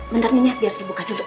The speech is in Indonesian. bentar nini biar saya buka dulu